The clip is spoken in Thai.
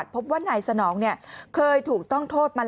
คุณผู้ชมฟังเสียงผู้หญิง๖ขวบโดนนะคะ